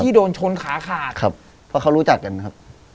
โดนชนขาขาดครับเพราะเขารู้จักกันครับ